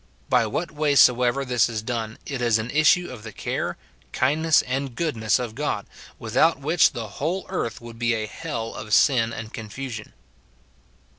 By what way soever this is done, it is an issue of the care, kindness, and goodness of God, without which the whole earth would be a hell of sin and confusion.